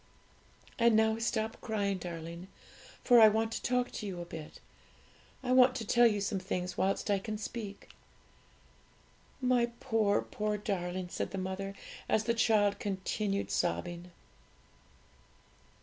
And now stop crying, darling, for I want to talk to you a bit; I want to tell you some things whilst I can speak. 'My poor, poor darling!' said the mother, as the child continued sobbing.